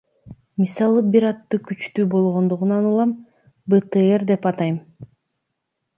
Мисалы бир атты күчтүү болгондугунан улам БТР деп атайм.